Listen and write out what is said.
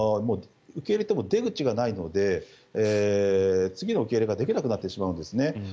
受け入れても出口がないので次の受け入れができなくなってしまうんですね。